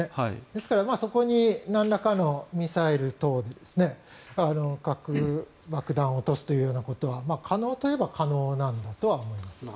ですから、そこになんらかのミサイル等核爆弾を落とすということは可能といえば可能なんだと思います。